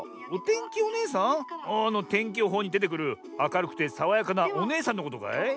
あのてんきよほうにでてくるあかるくてさわやかなおねえさんのことかい？